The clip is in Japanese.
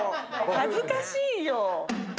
恥ずかしいよ。